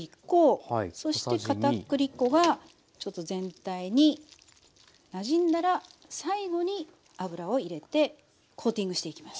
そして片栗粉がちょっと全体になじんだら最後に油を入れてコーティングしていきます。